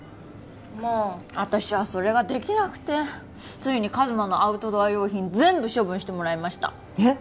まあ私はそれができなくてついに一真のアウトドア用品全部処分してもらいましたえっ